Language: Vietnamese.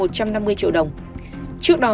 một trăm năm mươi triệu đồng trước đó